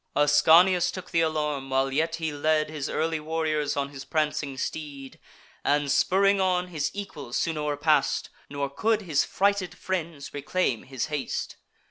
Ascanius took th' alarm, while yet he led His early warriors on his prancing steed, And, spurring on, his equals soon o'erpass'd; Nor could his frighted friends reclaim his haste.